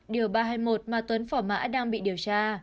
điều ba trăm hai mươi một mà tuấn phỏ mã đang bị điều tra